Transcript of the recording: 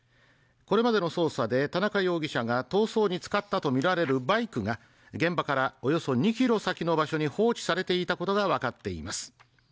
これまでの捜査で田中容疑者が逃走に使ったとみられるバイクが現場からおよそ２ｋｍ先の場所に放置されていたことがわかっています